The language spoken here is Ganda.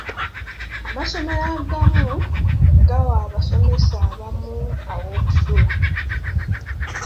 Amasomero agamu gawa abasomesa abamu aw'okusula.